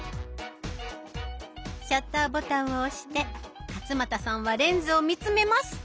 シャッターボタンを押して勝俣さんはレンズを見つめます。